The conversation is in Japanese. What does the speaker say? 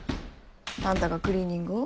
あんたがクリーニングを？